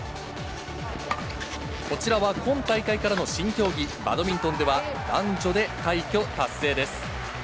こちらは今大会からの新競技、バドミントンでは、男女で快挙達成です。